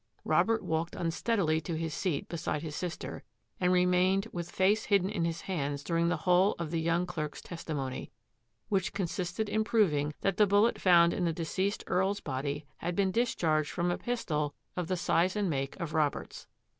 Robert walked unsteadily to his seat beside his sister, and remained with face hidden in his hands during the whole of the young clerk's testimony, which consisted in proving that the bullet found in the deceased Earl's body had been discharged from a pistol of the size and make of Robert's.